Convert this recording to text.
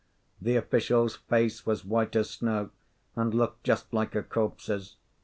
The official's face was white as snow, and looked just like a corpse's.